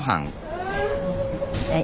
はい。